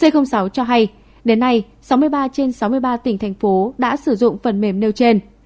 c sáu cho hay đến nay sáu mươi ba trên sáu mươi ba tỉnh thành phố đã sử dụng phần mềm nêu trên